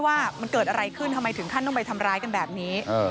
ว่ามันเกิดอะไรขึ้นทำไมถึงขั้นต้องไปทำร้ายกันแบบนี้